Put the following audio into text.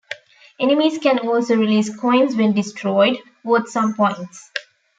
Enemies can also release coins when destroyed, worth some points.